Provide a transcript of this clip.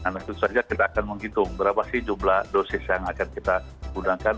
nah tentu saja kita akan menghitung berapa sih jumlah dosis yang akan kita gunakan